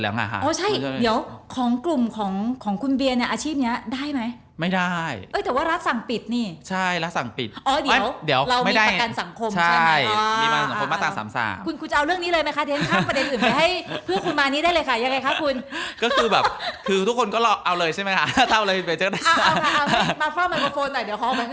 เราจะรอการเยียวยาว่าเป็นยังไง